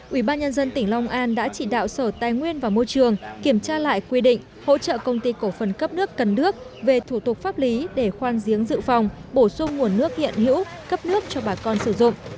ubnd tỉnh long an đã chỉ đạo sở tài nguyên và môi trường kiểm tra lại quy định hỗ trợ công ty cổ phần cấp nước cần đước về thủ tục pháp lý để khoan giếng dự phòng bổ sung nguồn nước hiện hữu cấp nước cho bà con sử dụng